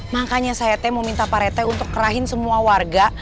makanya saya teh mau minta pak rete untuk kerahin semua warga